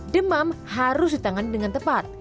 demam harus ditangani dengan tepat